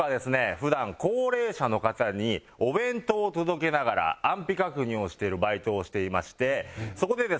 普段高齢者の方にお弁当を届けながら安否確認をしているバイトをしていましてそこでですね